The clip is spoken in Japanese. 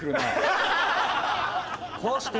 「こうして」。